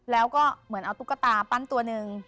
แล้วก็เหมือนเอาตุ๊กตาปั้นตัวหนึ่ง